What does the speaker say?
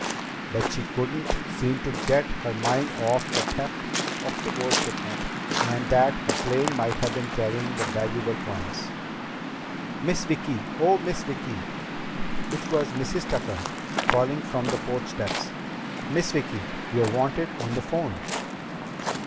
But she couldn't seem to get her mind off the theft of the gold shipment and that her plane might have been carrying the valuable coins. "Miss Vicki! Oh, Miss Vicki!" It was Mrs. Tucker, calling from the porch steps. "Miss Vicki, you're wanted on the phone."